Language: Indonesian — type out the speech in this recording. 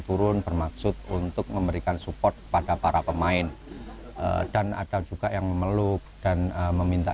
turun bermaksud untuk memberikan support pada para pemain dan ada juga yang memeluk dan meminta